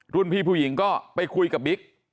พี่ผู้หญิงก็ไปคุยกับบิ๊ก